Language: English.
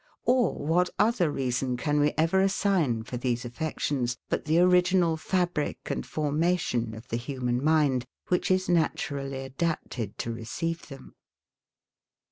Or what other reason can we ever assign for these affections, but the original fabric and formation of the human mind, which is naturally adapted to receive them?